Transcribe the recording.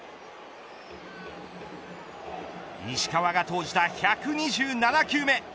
石川が投じた１２７球目。